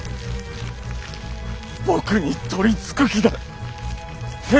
僕に取り憑く気だッ！！